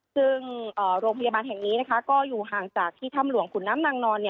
ซึ่งโรงพยาบาลแห่งนี้ก็อยู่ห่างจากที่ถ้ำหลวงขุนน้ำนางนอน